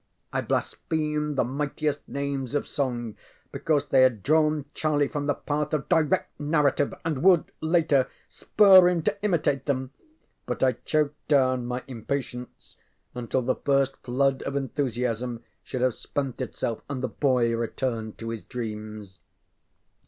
I blasphemed the mightiest names of song because they had drawn Charlie from the path of direct narrative, and would, later, spur him to imitate them; but I choked down my impatience until the first flood of enthusiasm should have spent itself and the boy returned to his dreams.